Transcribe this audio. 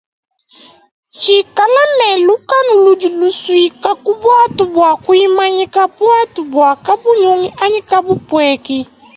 Tshikale ne lukanu ludi lusuika ku buatu bua kuimanyika buatu bua kabunyunyi anyi kabupueki.